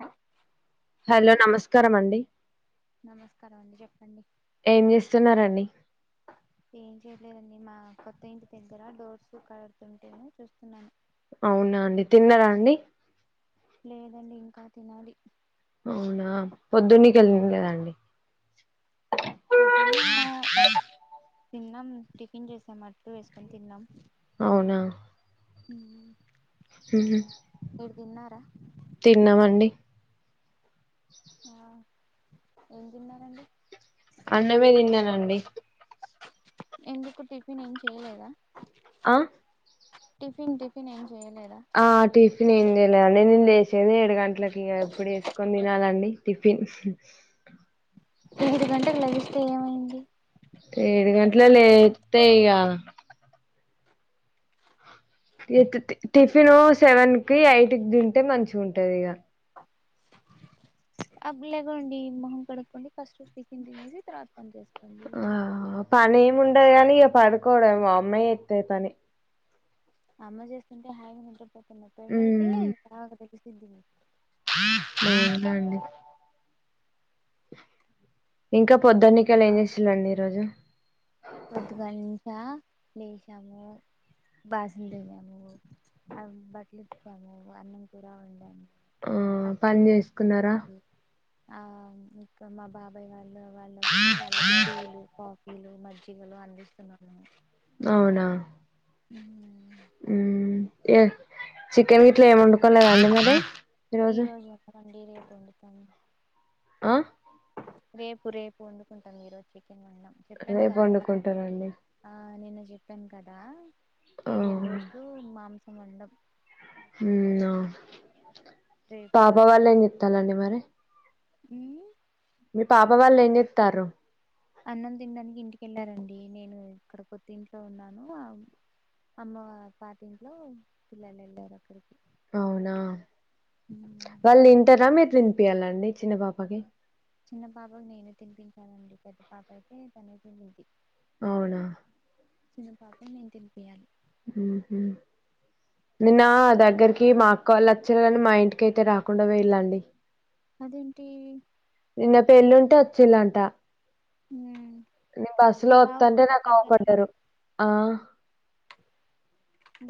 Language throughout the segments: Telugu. అ హలో నమస్కారం అండి నమస్కారం అండి చెప్పండి ఏం చేస్తున్నారండి ఏం చేయలేదండి మా కొత్త ఇంటి పెద్దరా డోర్స్ కలడుతుంటే చూస్తున్నాను అవునా అండి తిన్నరా అండి లేదండి ఇంకా తినాలి అవునా పొద్దున్నక తినలేదాండి పొద్దున్న తిన్నాం టిఫిన్ చేసాం అట్టు వేసుకొని తిన్నాం అవునా హ హుహ్ తిన్నామండి ఆహ్ ఏం తిన్నారండి అన్నమే తిన్నానండి ఎందుకు టిఫిన్ ఏం చేయలేదా ఆహ్ టిఫిన్ టిఫన్ ఏ ఆ టిఫన్ ఏం లేలేండి నిన్న లేచింది ఏడు గంటలకి ఇక ఎప్పుడు వేసుకొని తినాలండి టిఫిన్ ఏఐడు గంటలు లగిస్తే ఏమైంది ఏడు టిఫిన్ గంటలకులేతే ఇగ టిఫిన్ సెవెన్ కి ఎయిట్ కి తింటే మంచి ఉంటది ఇక అబ్లగండి మహం కడకండి ఫస్ట్ వ తంది తసి త ఆ పని ఏమిండదు కాని ఇక పడుకోవడ మా అమ్మాయి జెత్తది పని అమ్మ చేస్తుంటే హాయి ఉంటపోతున్నా పెళ్ళయితే నాలాగ తెగ్గిసిద్ందింది ఏలా అండి ఇంకా పొద్దున్నికలు ఏం చేసలాండి మీరు అసలు పొద్దుగాల నుంచా లేసినాము బాసన తిగాము బట్టలు ఇచ్చాము అన్నం కూడా వండాము ఉమ్ అట్లే పని చేసుకున్నారా ఆ ఇ మా బాబాయ్ వాళ్ళ వాళ్ళు వస్తే వాళ్ళకి టీలు కాఫీలు మధ్య పలు అందిస్తున్నాను అవునా ఉ ఉమ్ ఏ చికెన్ గిట్లా ఏమి వండుకోలేదండి మరి ఈ ఈరోజు రోజు ఒక రండి రేపు వండుతాను ఆహ్ రేపు రేపు వండుకుంటాం ఈరోజు చికెన్ వండుకోము చెప్పాను రేపు కదా వండుకుంటారండి ఆ నేను చెప్పాను కదా ఆ ఈ రెండు రోజులు మాంసం వండం ఉమ్ ఆహ్ రేపు పాప వాళ్ళ ఏం చెత్తాలండి మరి ఉమ్ మీ పాప వాళ్ళు ఏం చెస్తారు అన్నం తినడానికి ఇంటికెళ్ళారండి నేను ఇక్కడ కొత్త ఇంట్లో ఉన్నాను అమ్మ వల పాత ఇంట్లో పిల్లలు వెళ్ళారు అక్కడికి అవునా వాళ్ళు తంటారా మీరు వినిపియాలండి చిన్న పాపకి చిన్న పాపకు నేనే తినిపించానండి పెద్ద పాప అయితే తనే తింటుంది అవునా చిన్న పాపం నేను తినిపియాలి ఉహు నిన్న దగ్గరికి మా అక్క వాళ్ళు వచ్చరాలని మా ఇంటికి అయితే రాకుండా వేయళండి. అదేంటి? నిన్న పెళ్ళింటే వచ్చిలాంట నేను బస్సు లో మరి రావచ్చు వత్తాంటే కదా నాకు అవ దగ్గరేగా పడ్డారు ఆ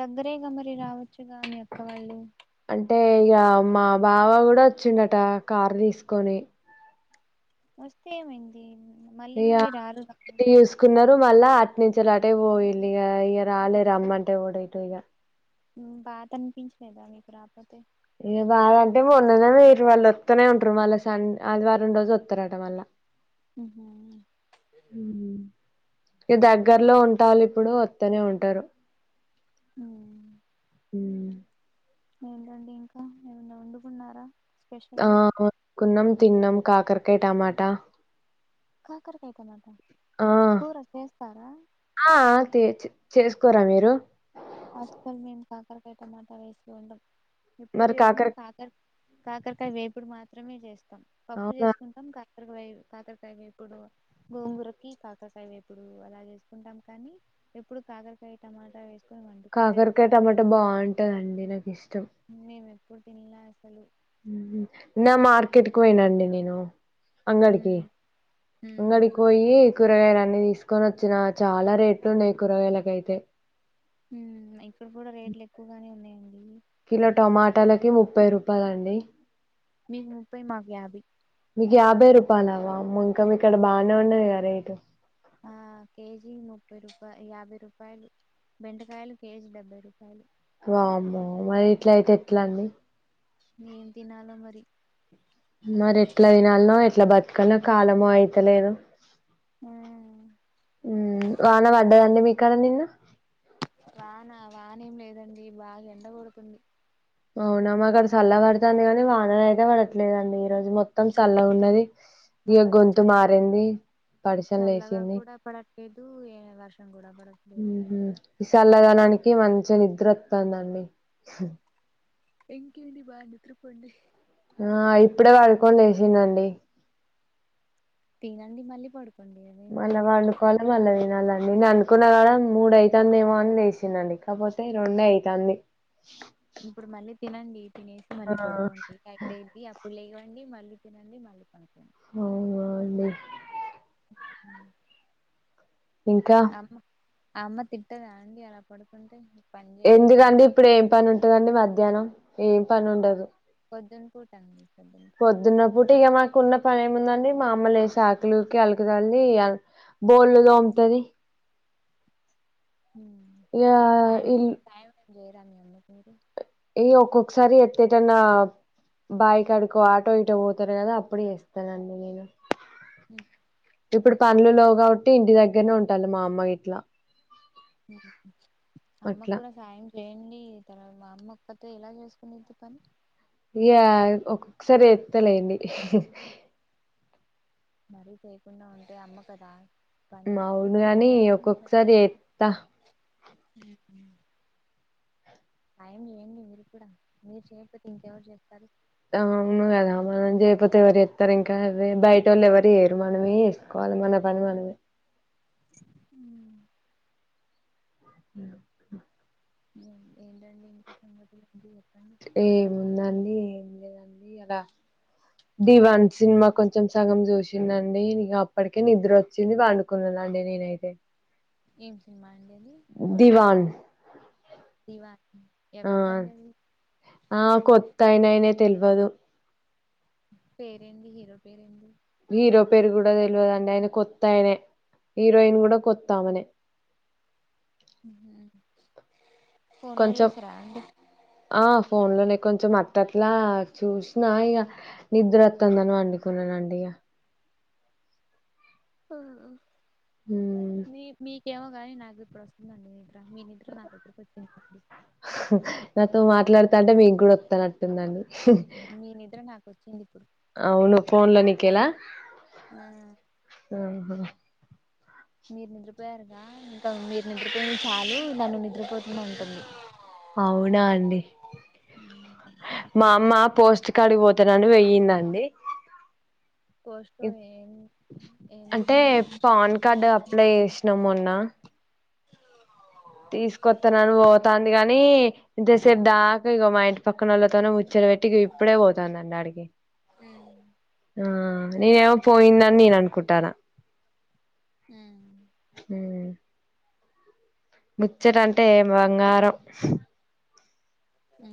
దగ్గరేగా మరి రావచ్చుగా నీ అక్కవాళ్ళు అంటే ఇగ మా బావ కూడా వచ్చిండట కారు తీసుకొని వస్తే ఏమైంది? మళ్ళీ యా మళ్ళీ రారు కదా. ఇడ్డి చూసుకున్నారు ద్దు మళ్ళా అట్ నుంచిలాటే పోయిు ఇగ ఇగ రాలేదు రమ్మంటే ఓడ ఇటు ఇగ బాద అనిపించలేదా మీకు రాపోతే ఏ బాద అంటే మొన్నద మీరు వాళ్ళు వత్తునే ఉంటారు మళ్ళా స ఆదివారం రోజు వత్తారట మళ్ళా ఉహు ఇ దగ్గర్లో ఉంటాల ఇప్పుడు వత్తనే ఉంటారు. అ ఉన్న ఏంటండి ఇంకా ఏమన్నా వండుకున్నారా? స్పెషల్గా ఆనుకున్నాం తిన్నాం కాకరకాయ, టమాటా కాకరకాయ టమాట ఆ! కూర చేస్తారా? ఆ! ఆ! తే చే చేసుకోరా మీరు? అస్కల్ మేము కాకరకాయ టమాటా వేసు ఉండ ఎప్పుడు చేసినా కాకర కాకరకాయ వేపుడు మాత్రమే చేస్తా పప్పు అవునా? చేసుకుంటాం కాతరక వెయ కాతర కాయ్ వేపుడు గోంగూరకి కాకరకాయి వేపుడు అలా చేసుకుంటాం కానీ ఎప్పుడు కాకర వె టమాటా వే కాకరకాయ టమాటా బావుంటందండి నా మేమ్ ఎప్పుడు తిన్లే అసలు నా మార్కెట్కి పోయినండి నేను అంగడికి ఉమ్ ఉమ్ అంగడికోయి కూరగాయలు అన్ని తీసుకొని వచ్చిన చాలా రేట్లు ఉన్నాయి కూరగాయలకైతే మ్ ఇక్కడ కూడా రేట్లు ఎక్కువగానే ఉన్నాయండి. కిలో టమాటాలకి ముప్పై రూపాయలండి. మీకు ముప్పై, మాకు యాభై మీకు యాభై రూపాయలు అవవా ఇంకా ఇక్కడ బానే ఉన్నాయిగా రేటు ఆ కేజీ ముప్పై రూపాయ యాభై రూపాయలు బెండకాయలు కేజీ డెబ్బై రూపాయలు. వామ్మో మరి ఇట్ల అయితే ఎట్లా అండి? నేం తినలో మరి మరి ఎట్లా వినాలనో, ఎట్లా బతుకనో కాలమో అయితలేదు. మ్ వాన పడ్డదండి మీ కడ నిన్న? వానా వానే ఏం లేదండి బాగా ఎండగొడుతుంది. అవునామ్మా అక్కడ చల్ల పడుతుంది కానీ వాన అయితే పడట్లేదండి ఈ రోజు మొత్తం చల్ల ఉన్నది. ఇగ మాకు అసలు గొంతు చల్లగా మారింది. పడిసలు చల్లగా లేసింది కూడా పడట్లేదు ఏ వర్షం కూడా పడట్లేదు. ఈ చల్లదనానికి మంచి నిద్ర వస్తుందండి ఎంక ఏంటిడి బ నిత్రపోంలి ఆ ఇప్పుడే వాడుకొని వసిందండి తినండి మల్ళీ పడుకు అల్ వాళ్ళు కొల అలవన అలా నేను అనుకున్నా కడ మూడ అవుతుంది ఏమో అని లేసిినండి కాకపోతే రెండే అవుతుంది ఇప్పుడు మళ్ళీ తినండి తినేసి మళ్ళీ పడుకోండి కాతే ఇది అప్పుడు లే డి మళ్ళీ తినండి మళ్ళీ పనుక్కండి అవు అ లే అ ఇంకా అమ్మ తిట్టదా అండి అలా పడుకుంటే పని చెయ్యో ఏం ఎందుకండి చెయ్యో ఇప్పుడు ఏం పని ఉంటదండి మధ్యాహ్నం ఏం పని ఉండదు అనుకోట అండి పొద్దున పూట పొద్దున్న పుటిగా మాకు ఉన్న పైన ఏముందండి మా అమ్మలు శాకులుకి అలకిదల్లి బోలు దోముతుది ఇక ఏం సాయం ఇల్ సాయం ఏం చేయరా మీ అమ్ందుకు మీరు ఏ ఒక్కొక్కసారి ఎతేటన్నా బైక్ అడుకో ఆటో ఇటో పోతారు కదా అప్పుడు చేస్తానండి నేను ఉ ఇప్పుడు పంలలో కాబట్టి ఇంటి దగ్గరనే ఉంటాలి మా అమ్మ ఇట్లా అమ్మకు అట్లా కూడా సాయం చేయండి తర్వాత మా అమ్మ పత్ర ఎలా చేసుకునిది పని ఇయా ఒక్కొక్కసారి ఎత్తలేండి మరి చేకు ఉంట అమ్మకదా పని అవును పిల్లలకి కాని చెప్పడంరు ఒక్కొక్కసారి రావదుు ఎత్తా టైం లేడి మీరు కూడా మీరు చేయకపోతే ఇంకెవరు చెస్తారు అవును కదా మనం చేయపోతే ఎవరు ఇస్తారు ఇంకా బయట వాళ్ళు ఎవరు వయరు మనమే వేసుకోవాలి పని మన పని మనమ అ ఏంటండి ఇంకా సంగతి ఏముందండి ఏం లేదండి అలా ది వన్ సినిమా కొంచెం సగం చూసిందండి నీక అప్పటికే నిద్ర వచ్చింది వాండుకున్న నాళేనైతే ఏం సమా దివన్ ఇవా ఎవరిదండి అవి తెలివదు పేరు ఏంటి హీరో పేరు ఏంటి హీరో పేరు కూడా తెలియదండి ఆయన కొత్తా ఆయనే హీరోయిన్ కూడా కొత్తామనే కొంచెం ఫోన్లస రాడి ఆ ఫోన్ లోనే కొంచెం అత్తట్లా చూసినా ఇక నిద్ర వస్తుందని వండుకున్నానండి ఇక మ్మ్ మీ మీకేమో కానీ నాకు ఇప్పుడు వస్తుందండి మీ మీ నిద నాగద్ద కొచ్చ మాట్లాడుతా అంటే మేము కూడా వస్తానట్టుందండి మీ నిద్ర నాకు వచ్చింది ఇప్పుడు అవును ఫోన్ లోనికలా ఆ మీరు నిద్రపోయారుగా ఇంకా మీరు నిద్రపోయిన చాలు నన్ను నిద్రపోతూనే ఉంటుంది అవునా అండి మా అమ్మ పోస్ట్ కడి పోతానని వెయిందండి పోస్ట్ ఏం అంటే ఎందుకండి పాన్ కార్డు అప్లై చేసినాము అన్న తీసుకొస్తాన్నాను పోతుంది కాగాని ఇంతేసేపు దాకా ఇక మా ఇంటి పక్కనళ్ళతోనే ముచ్చ పెట్టికి ఇప్పుడే పోతుందండి అడికి ఆ నను ఏమో పోయింద నను అనుకుంటారా హ ముచ్చట అంటే బంగారం ఉ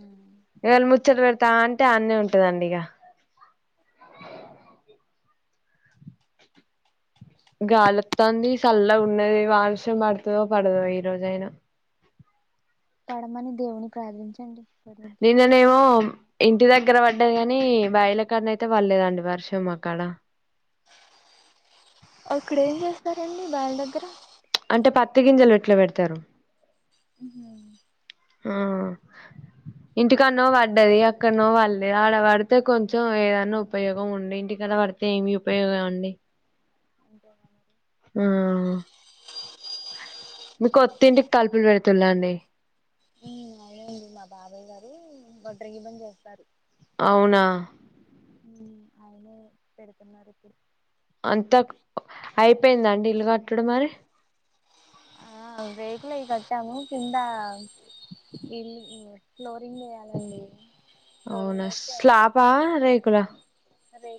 వవాళ ముచ్చలు పెడతా అంటే అన్నీ ఉంటదండి ఇక గాాలతోంది చల్ల ఉన్నది వారషం పడుతుందో పడదో ఈ రోజయినా పడమని దేవుని ప్రార్థించండి పడింది నిన్ననేమో ఇంటి దగ్గర పడ్డది కాని బయల కడన అయితే పడలేదండి వర్షం అక్కడ అక్కడ ఏం చేస్తారండి బయారి దగ్గర అంటే పత్తి గింజలు విట్లా పెడతారు హ ఆ ఇంటికన్నో పడ్డది ఎక్కనో వళదు ఆడ పడితే కొంచెం ఏదన్నా ఉపయోగం ఉండే ఇంటికన్నా పడితే ఏమి ఉపయోగ అండి అంటే ఆ మీ కొత్త త కలుపులు పెడుతుల అండి అయినంది మా బాబాయ్ గారు ఒొట్ర ఇ పని చేస్తారు అవునా ఆయనే పెడుతున్నారు ఇప్పుడు అంతా పట్టడ మర ఆ వేకలే కట్టా ను కింద ఇల్ ఫ్లోరింగ్ వేయాలండి ఫ్లోరింగ్ అవునా వేస్తే స్లాబ రేకుడా అదే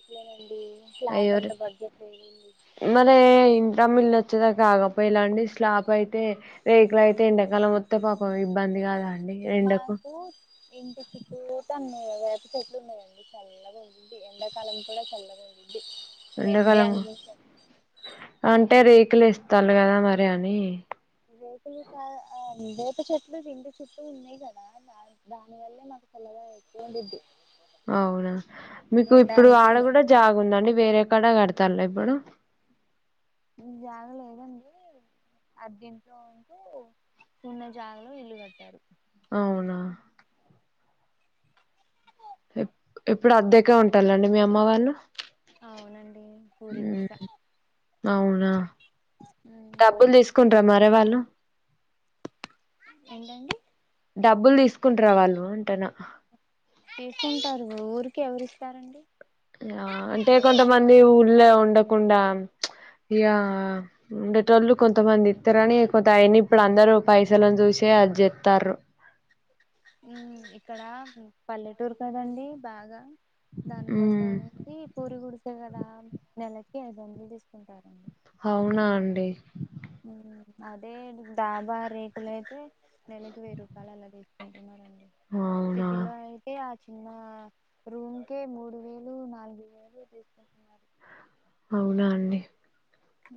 అయోరి మరి ఇంద్రామిల్చ్చదాక ఆగా ఇలాండి స్లాప్ అయితే రేకులు అయితే ఎండాకాలం మస్తే పకం ఇబ్బంది కదా మాకు ఇంటికికుతన్న చెట్లు ఉన్నాయంండి చల్లగా ఉంంది ఎండాకాలం కూడా చల్లగా ఉంది ఎంండగాలంగా అంటే రేకులు ఇస్తారు కదా మరి అని రేపులు కా రేప చెట్లు రిం చుట్టూ ఉన్నాయి కదా దా దాని వల్లే మకు కల ఎది అవునా మీకు ఇప్పుడు ఆడ అనిపీదు కూడా జాగుందండి వేరేక్కడా కడుత తల్ల ఇప్పుడు ఇ జాగ లేదండి అర్దింట్లో ఉంటూ సున్న జాాలలో ఇల్లు కట్టారు అవునా ఎప్పుడు అద్దెగా ఉంటాలండి మీ అమ్మవారిని అవునండి పూరి వరుస అవునా డబ్బులు తీసుకుంటార మరే వాళ్ళు ఏంటండి డబ్బులు తీసుకుంటారు వాళ్ళు అంటేనా చేసుకుంటారు ఊరికి ఎవరి ఇస్తారండి ఆ అంటే కొంతమంది ఊళ్ళ ఉండకుండా ఇయా అంటేటోళ్ళు కొంతమంది ఇస్తారని కొంత అయిన్ని ఇప్పుడు అందరుూ పైసలుని చూసి అ చెతారు ఇక్కడ పల్లెటూరు కదండి బాగా దాని కోసం మ్మ్ అనేసి పూరి గుడిసే కదా నెలకి అ జండలు తీసుకుంటారండి అవునా అండి అదే దాబా రేట్లు అయితే నెలకి వెయ్యి రూపాయలు అలా తీచ్చుకుంటున్నారుారండి అవునా సిటీలో అయతే చిన్న రూమ్కే మూడు వేలు నాలుగు వేలు తీసుకుంటున్నారు అవునా అండి హ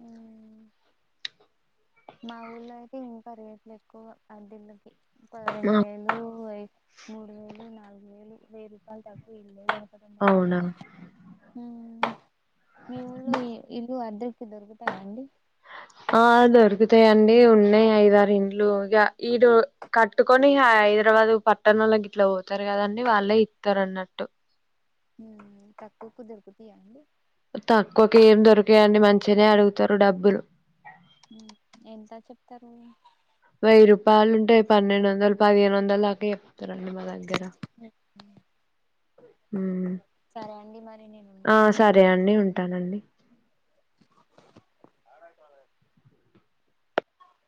మా ఊళ్ళ అయితే ఇంకా రేట్లు ఎక్కువ అద్దళ్లకి పద రెండు ఆ వేలు మూడు వేలు నాలుగు వేలు వెయ్యి రూపాయలు తక్కువ ఇల్లే దొరకదు అవునా ఉమ్ మీ ఊళ్ళో ఇల్లు అద్దరికి దొరుకుతానండి ఆ ఆ దొరుకుతాయిండి ఉన్నాయి ఐదారు ఇండ్లు ఇ ఈ కట్టుకొని ఐదు తర్వా పట్టణంలోకి ఇట్లా పోతారు కదని వాళ్ళే ఇస్తారు అన్నట్టు కకు కుదరుకు తీ అడి తక్కువకి ఏం దొరికాయండి మంచిగానే అడుగుతారు డబ్బులు ఎంత చెప్తారు వెయ్యి రూపాయలుంటాయి పన్నెండు వందలు పదిహేను వందలు కే త రండ మా దగ్గర సరే అండి మరి నేను ఆ ఉంటాను సారిే ఆడిడి అంటానండి అడ కూడా